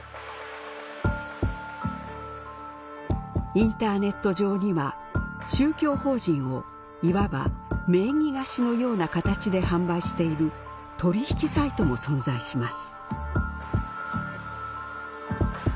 インターネット上には宗教法人をいわば名義貸しのような形で販売している取引サイトも存在します。